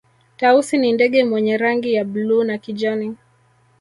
tausi ni ndege mwenye rangi ya bluu na kijani